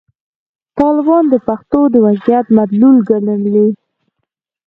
طالبان د پښتنو د وضعیت مدلول ګڼلي.